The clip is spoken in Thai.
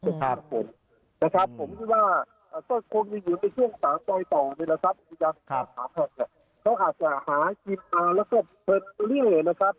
ซึ่งมันจะเป็นรอยต่อระหว่างอุทยานแห่งภาพภูเขาม่านและอุทยานแห่งภาพภูกฎิ